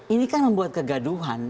ini kan membuat kegaduhan